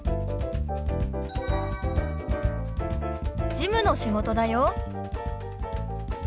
事務の仕事だよ。